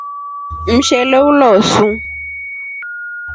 Mshele ulosu.